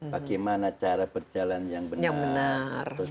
bagaimana cara berjalan yang benar benar